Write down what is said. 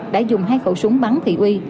đã dùng hai khẩu súng bắn thị uy